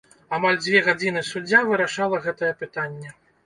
Амаль дзве гадзіны суддзя вырашала гэтае пытанне.